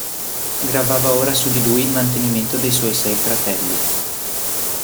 Gravava ora su di lui il mantenimento dei suoi sei fratelli.